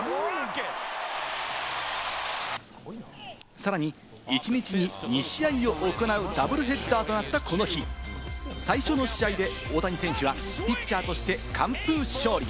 さらに、一日に２試合を行うダブルヘッダーとなったこの日、最初の試合で大谷選手がピッチャーとして完封勝利。